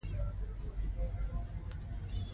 د سیمې د آزادۍ غوښتونکو استقلال ته یې خطر جوړ کړ.